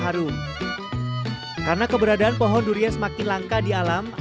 harum karena keberadaan pohon durian semakin langka di alam akibat perluasan perkembunan